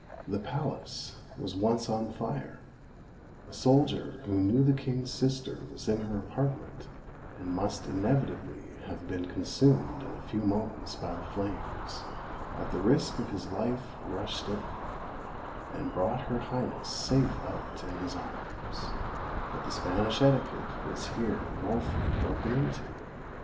The palace was once on fire; a soldier, who knew the king's sister was in her apartment, and must inevitably have been consumed in a few moments by the flames, at the risk of his life rushed in, and brought her highness safe out in his arms: but the Spanish etiquette was here wofully broken into!